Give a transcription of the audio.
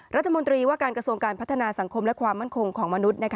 รัฐมนตรีว่าการกระทรวงการพัฒนาสังคมและความมั่นคงของมนุษย์